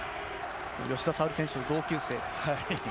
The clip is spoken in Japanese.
吉田沙保里選手と同級生。